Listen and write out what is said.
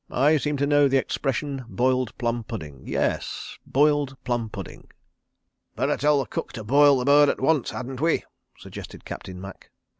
... "I seem to know the expression, 'boiled plum pudding.' ... Yes—boiled plum pudding. ..." "Better tell the cook to boil the bird at once, hadn't we?" suggested Captain Macke.